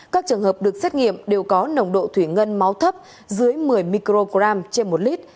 các trường hợp được xét nghiệm đều có nồng độ thủy ngân máu thấp dưới một mươi microgram